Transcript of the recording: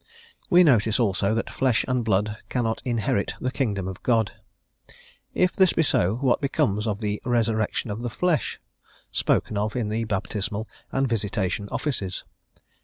We notice also that "flesh and blood cannot inherit the kingdom of God." If this be so, what becomes of the "resurrection of the flesh," spoken of in the Baptismal and Visitation Offices?